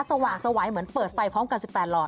สว่างสวัยเหมือนเปิดไฟพร้อมกัน๑๘หล่อ